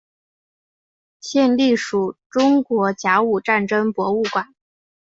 现隶属中国甲午战争博物馆。